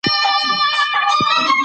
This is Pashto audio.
پراخه ویډیوګانې د تېروتنې احتمال لري.